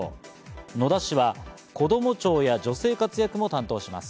野田氏はこども庁や女性活躍も担当します。